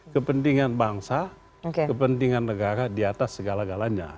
kepentingan bangsa kepentingan negara di atas segala galanya